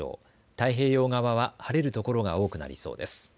太平洋側は晴れる所が多くなりそうです。